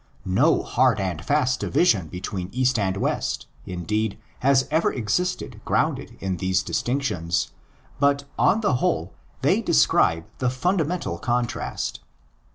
No hard and fast division between East and West, indeed, has ever existed grounded in these distinctions; but on the whole they describe the fundamental contrast.